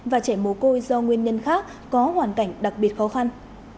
và trẻ mồ côi do nguyên nhân khác có hoàn cảnh đặc biệt khó khăn